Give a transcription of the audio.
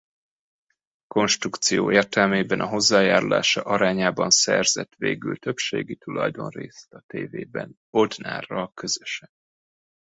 A konstrukció értelmében a hozzájárulása arányában szerzett végül többségi tulajdonrészt a tévében Bodnárral közösen.